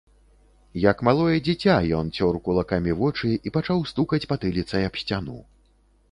Як малое дзіця, ён цёр кулакамі вочы і пачаў стукаць патыліцай аб сцяну.